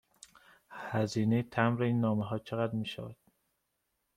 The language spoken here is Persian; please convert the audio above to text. هزینه مبر این نامه ها چقدر می شود؟